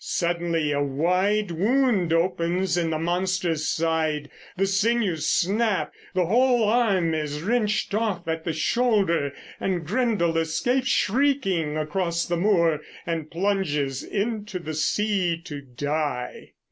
Suddenly a wide wound opens in the monster's side; the sinews snap; the whole arm is wrenched off at the shoulder; and Grendel escapes shrieking across the moor, and plunges into the sea to die.